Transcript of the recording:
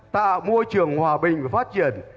tạo môi trường hòa bình và phát triển